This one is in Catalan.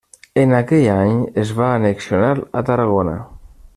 En aquell any es va annexionar a Tarragona.